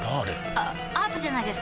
あアートじゃないですか？